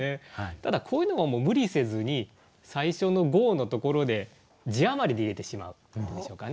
ただこういうのは無理せずに最初の５音のところで字余りで入れてしまうというんでしょうかね。